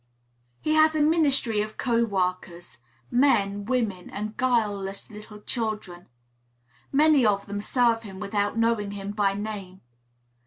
He has a ministry of co workers, men, women, and guileless little children. Many of them serve him without knowing him by name.